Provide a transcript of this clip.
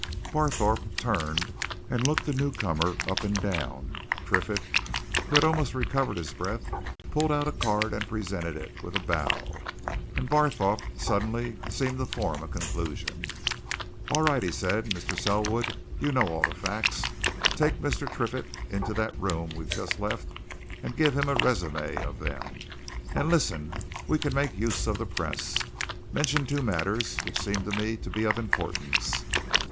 Barthorpe turned and looked the new comer up and down. Triffitt, who had almost recovered his breath, pulled out a card and presented it with a bow. And Barthorpe suddenly seemed to form a conclusion. "All right!" he said. "Mr. Selwood, you know all the facts. Take Mr. Triffitt into that room we've just left, and give him a résumé of them. And listen! we can make use of the press. Mention two matters, which seem to me to be of importance.